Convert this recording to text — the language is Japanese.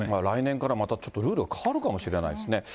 来年からまたちょっとルールが変わるかもしれないですね。